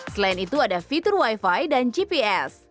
selain itu ada fitur wi fi dan gps